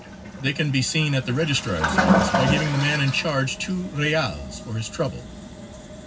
They can be seen at the register's office by giving the man in charge two reals for his trouble.